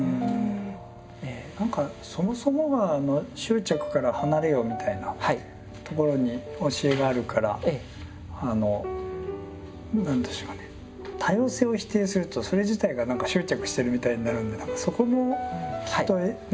何かそもそもが「執着から離れよ」みたいなところに教えがあるから何でしょうかね多様性を否定するとそれ自体が何か執着してるみたいになるのでそこもきっとね。